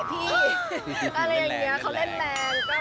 พี่อะไรอย่างนี้เขาเล่นแรง